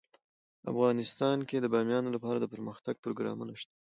افغانستان کې د بامیان لپاره دپرمختیا پروګرامونه شته.